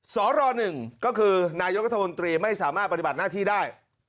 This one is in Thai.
สร๑ก็คือนายกรัฐมนตรีไม่สามารถปฏิบัติหน้าที่ได้